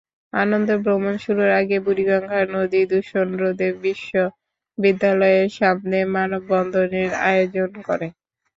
আনন্দভ্রমণ শুরুর আগে বুড়িগঙ্গা নদী দূষণরোধে বিশ্ববিদ্যালয়ের সামনে মানববন্ধনের আয়োজন করে।